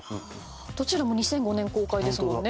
どちらも２００５年公開ですもんね。